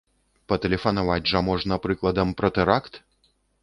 Патэлефанаваць жа можна, прыкладам, пра тэракт!